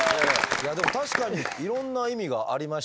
いやでも確かにいろんな意味がありましたし。